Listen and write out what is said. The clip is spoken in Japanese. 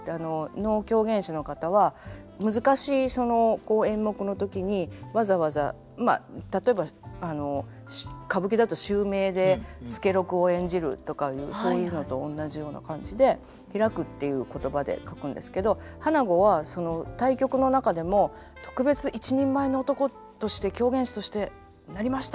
能狂言師の方は難しい演目の時にわざわざまあ例えば歌舞伎だと襲名で「助六」を演じるとかいうそういうのとおんなじような感じで「披く」っていう言葉で書くんですけど「花子」はその大曲の中でも「特別一人前の男として狂言師としてなりました！」